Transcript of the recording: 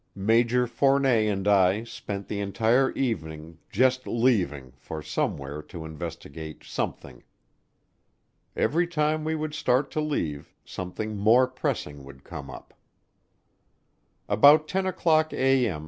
Major Fournet and I spent the entire morning "just leaving" for somewhere to investigate "something." Every time we would start to leave, something more pressing would come up. About 10:00A.M.